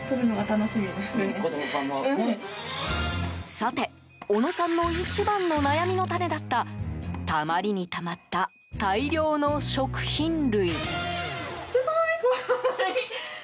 さて、小野さんの一番の悩みの種だったたまりにたまった大量の食品類。